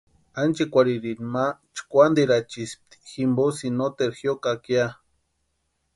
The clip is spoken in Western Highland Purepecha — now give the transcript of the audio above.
Ánchikwarhirini ma chkwanterachispti jimposïni noteru jiokaka ya.